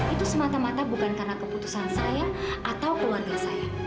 itu semata mata bukan karena keputusan saya atau keluarga saya